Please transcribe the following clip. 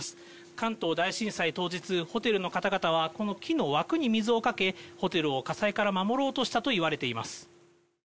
関東大震災当日、ホテルの方々は、この木の枠に水をかけ、ホテルを火災から守ろうとしたといわれています。